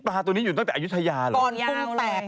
ตัวนี้อยู่ตั้งแต่อายุทยาเหรอ